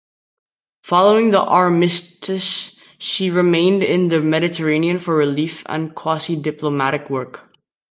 Following the Armistice she remained in the Mediterranean for relief and quasi-diplomatic work.